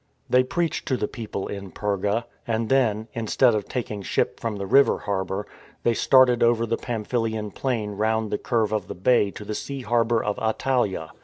They preached to the people in Perga, and then, instead of taking ship from the river harbour, they started over the Pamphylian plain round the curve of the bay to the sea harbour of Attalia.